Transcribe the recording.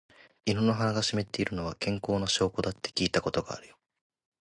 犬の鼻が湿っているのは、健康な証拠だって聞いたことあるよ。